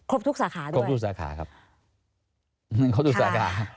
ครบทุกสาขาด้วยครบทุกสาขาครับครบทุกสาขา